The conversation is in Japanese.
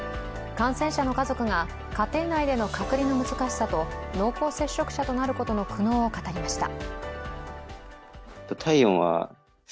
感染者の家族が家庭内での隔離の難しさと濃厚接触者となることの苦悩を語りました。